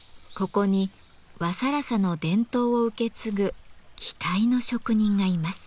ここに和更紗の伝統を受け継ぐ期待の職人がいます。